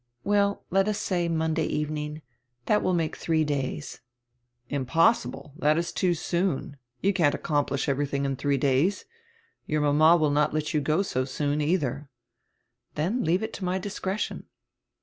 "Well, let us say Monday evening. That will make three days." "Impossible. That is too soon. You can't accomplish everything in three days. Your mama will not let you go so soon, either." "Then leave it to my discretion."